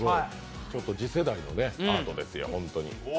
次世代のアートですよね。